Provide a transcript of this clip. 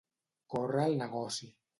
Córrer el negoci.